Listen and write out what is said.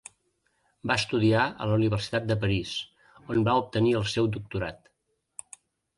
Va estudiar a la Universitat de París, on va obtenir el seu doctorat.